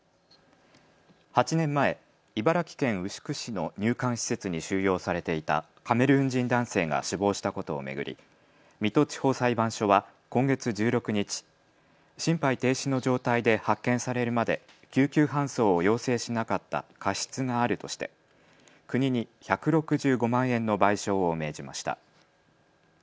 ８年前、茨城県牛久市の入管施設に収容されていたカメルーン人男性が死亡したことを巡り水戸地方裁判所は今月１６日、心肺停止の状態で発見されるまで救急搬送を要請しなかった過失があるとして国に１６５万円の賠償を命じました。